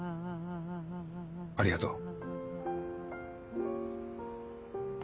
ありがとう。